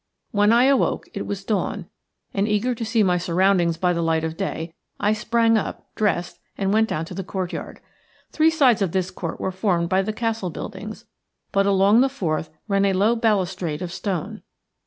When I awoke it was dawn, and, eager to see my surroundings by the light of day, I sprang up, dressed, and went down to the courtyard. Three sides of this court were formed by the castle buildings, but along the fourth ran a low balustrade of stone.